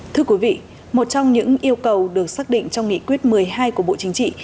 thưa quý vị một trong những yêu cầu được xác định trong nghị quyết một mươi hai của bộ chính trị